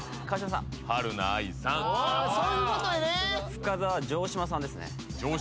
深澤は城島さんですね